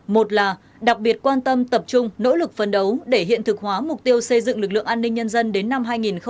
một là đặc biệt quan tâm tập trung nỗ lực phấn đấu để hiện thực hóa mục tiêu xây dựng lực lượng an ninh nhân dân đến năm hai nghìn ba mươi